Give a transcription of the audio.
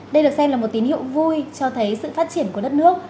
đây được xem là một tín hiệu vui cho thấy sự phát triển của đất nước